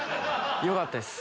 よかったです